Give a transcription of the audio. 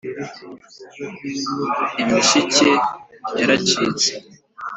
imishike yaracitse